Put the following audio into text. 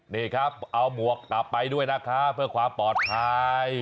นี่ครับเอาหมวกกลับไปด้วยนะคะเพื่อความปลอดภัย